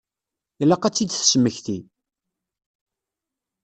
Ilaq ad tt-id-tesmekti.